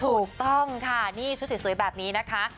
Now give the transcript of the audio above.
ถูกต้องค่ะนี่ชุดสวยแบบนี้นะคะ